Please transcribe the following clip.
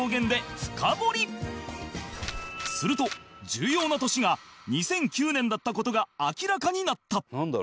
すると重要な年が２００９年だった事が明らかになった